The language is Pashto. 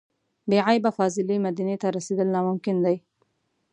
بې عیبه فاضلې مدینې ته رسېدل ناممکن دي.